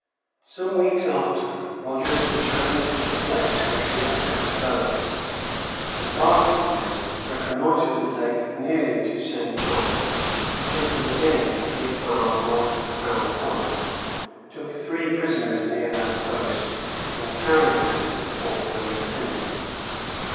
Some weeks after, Rogers returned to the place where he had left the boats, embarked in them, reconnoitred the lake nearly to St. John, hid them again eight miles north of Crown Point, took three prisoners near that post, and carried them to Fort William Henry.